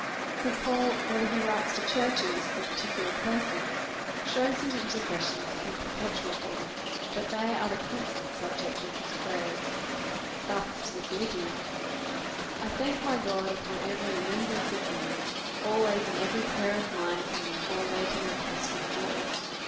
St. Paul, whether he writes to churches, or particu lar persons, shews his intercession to be perpetual for them, that they are the constant subject of his pray ers. Thus to the Philippians, / thank my God iipoti DEVOUT AND HOLY LIFE. 293 evev\) remembrance ofi/ou. Always in every prayer of m'uie for you all, making request icitk joy.